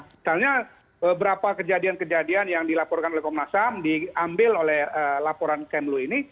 misalnya beberapa kejadian kejadian yang dilaporkan oleh komnas ham diambil oleh laporan kemlu ini